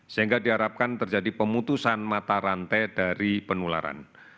sehingga diharapkan terjadi pemutusan mata rantai dari penularan